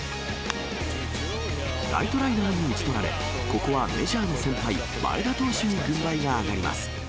ライトライナーに打ち取られ、ここはメジャーの先輩、前田投手に軍配が上がります。